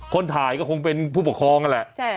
คนถ่ายก็คงเป็นผู้ปกครองนั่นแหละ